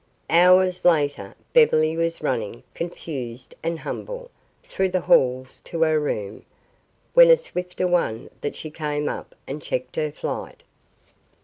Hours later Beverly was running, confused and humbled, through the halls to her room, when a swifter one than she came up and checked her flight.